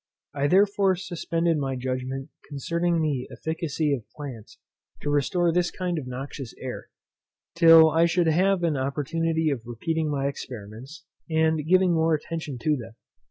I therefore suspended my judgment concerning the efficacy of plants to restore this kind of noxious air, till I should have an opportunity of repeating my experiments, and giving more attention to them.